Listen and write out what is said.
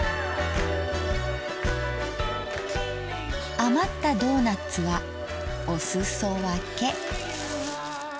余ったドーナッツはお裾分け。